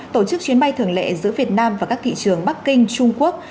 tổ chức chuyến bay thường lệ giữa việt nam và các thị trường bắc kinh trung quốc